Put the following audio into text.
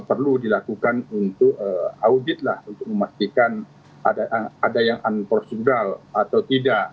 perlu dilakukan untuk audit lah untuk memastikan ada yang unprosudual atau tidak